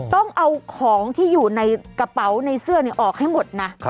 ต้องเอาของที่อยู่ในกระเป๋าในเสื้อออกให้หมดนะ